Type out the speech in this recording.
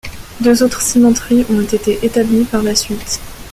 Deux autres cimenteries ont été établies par la suite.